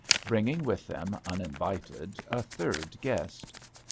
bringing with them, uninvited, a third guest.